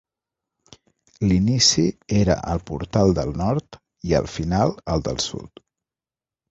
L'"inici" era al portal del nord i el "final" al del sud.